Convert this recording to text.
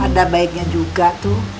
ada baiknya juga tuh